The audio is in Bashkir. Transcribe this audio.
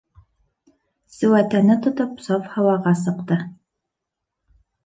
Сеүәтәне тотоп саф һауаға сыҡты.